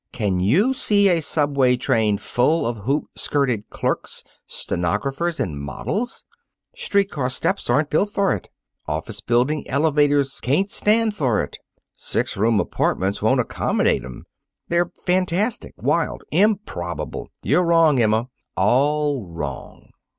Can you see a subway train full of hoop skirted clerks, stenographers, and models? Street car steps aren't built for it. Office building elevators can't stand for it. Six room apartments won't accommodate 'em. They're fantastic, wild, improbable. You're wrong, Emma all wrong!"